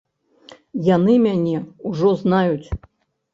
Яны мяне ўжо знаюць.